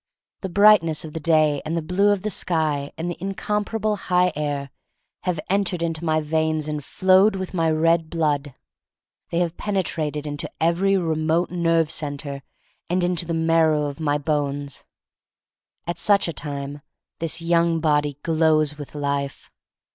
The brightness of the day and the blue of the sky and the incom parable high air have entered into my veins and flowed with my red blood. They have penetrated into every re mote nerve center and into the marrow of my bones. At such a time this young body glows with life.